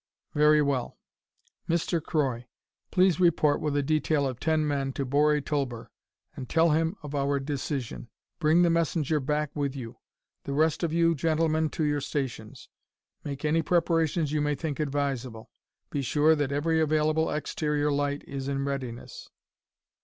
"Very well. Mr. Croy, please report with a detail of ten men, to Bori Tulber, and tell him of our decision. Bring the messenger back with you. The rest of you, gentlemen, to your stations. Make any preparations you may think advisable. Be sure that every available exterior light is in readiness.